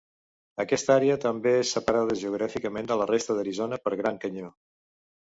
Aquesta àrea també és separada geogràficament de la resta d'Arizona pel Gran Canyó.